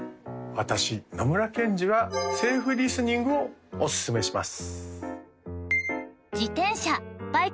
私野村ケンジはセーフリスニングをおすすめします